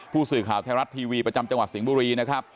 ผู้สื่อข่าวไทยรัฐทีวีประจำจังหวัดสิงห์บุรีนะครับ